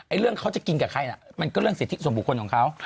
เรื่องเขาจะกินกับใครน่ะมันก็เรื่องสิทธิส่วนบุคคลของเขา